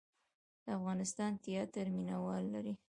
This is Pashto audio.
د افغانستان تیاتر مینه وال لري